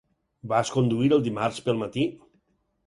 Vas conduir el dimarts pel matí?